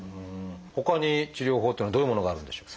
ほかに治療法っていうのはどういうものがあるんでしょう？